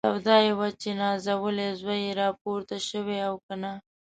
سودا یې وه چې نازولی زوی یې راپورته شوی او که نه.